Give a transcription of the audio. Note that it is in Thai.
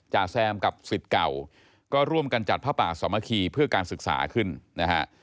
แซมกับสิทธิ์เก่าก็ร่วมกันจัดผ้าป่าสามัคคีเพื่อการศึกษาขึ้นนะฮะ